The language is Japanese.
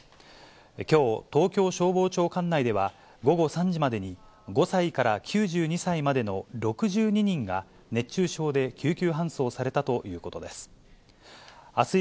きょう、東京消防庁管内では、午後３時までに、５歳から９２歳までの６２人が、熱中症で救急搬送されたということです。